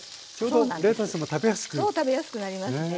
そう食べやすくなりますね。